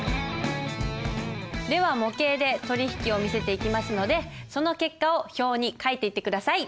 では模型で取り引きを見せていきますのでその結果を表に書いていって下さい。